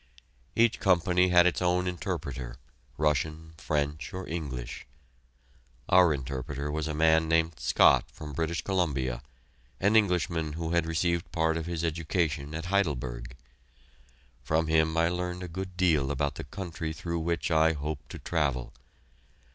Each company had its own interpreter, Russian, French, or English. Our interpreter was a man named Scott from British Columbia, an Englishman who had received part of his education at Heidelberg. From him I learned a good deal about the country through which I hoped to travel.